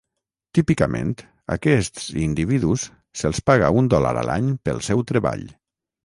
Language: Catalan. Típicament, aquests individus se'ls paga un dòlar a l'any pel seu treball.